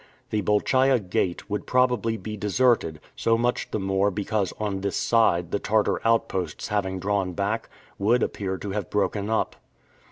The Bolchaia Gate, would be probably deserted, so much the more because on this side the Tartar outposts having drawn back, would appear to have broken up.